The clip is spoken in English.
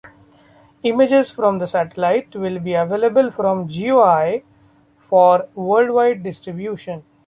Images from the satellite will be available from GeoEye for worldwide distribution.